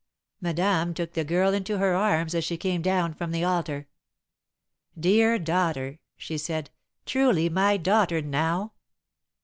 Madame took the girl into her arms as she came down from the altar. "Dear daughter!" she said. "Truly my daughter, now!"